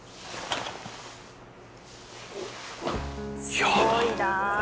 すごいな。